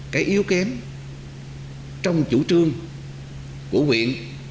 cái yếu kém trong chủ trương của huyện